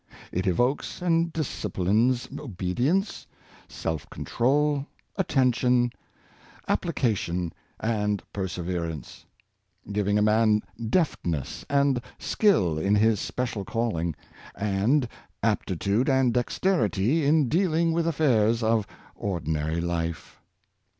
It evokes and disciplines obedi ence, self control, attention, application, and perseverance; giving a man deftness and skill in his special calling, and aptitude and dexterity in deal ing with the affairs of ordinary life.